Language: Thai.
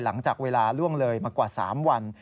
หลังจากเวลาล่วงเลยมากว่า๓วัน